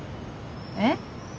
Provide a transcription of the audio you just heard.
えっ？